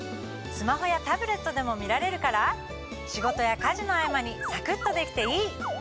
スマホやタブレットでも見られるから仕事や家事の合間にさくっとできていい！